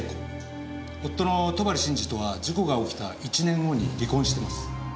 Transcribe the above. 夫の戸張慎二とは事故が起きた１年後に離婚しています。